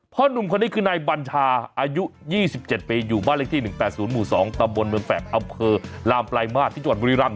หนุ่มคนนี้คือนายบัญชาอายุ๒๗ปีอยู่บ้านเลขที่๑๘๐หมู่๒ตำบลเมืองแฝกอำเภอลามปลายมาตรที่จังหวัดบุรีรำ